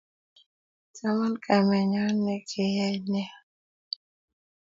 chaman kamenyon nekeyai nea